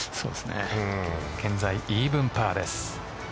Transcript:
現在、イーブンパーです。